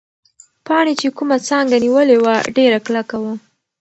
پاڼې چې کومه څانګه نیولې وه، ډېره کلکه وه.